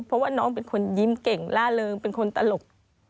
เพราะว่าน้องเป็นคนยิ้มเก่งล่าเริงเป็นคนตลก